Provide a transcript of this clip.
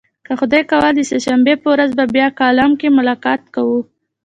که خدای کول د سه شنبې په ورځ به بیا کالم کې ملاقات کوو.